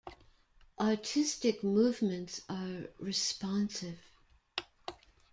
Artistic movements are responsive.